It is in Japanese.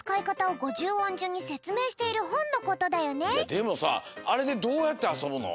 でもさあれでどうやってあそぶの？